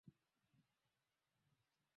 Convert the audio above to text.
Kuja tucheze mpira huu.